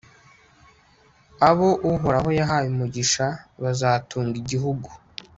abo uhoraho yahaye umugisha bazatunga igihugu